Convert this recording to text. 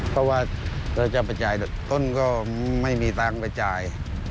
เพราะว่าเราจะไปจ่ายต้นก็ไม่มีตังค์ไปจ่าย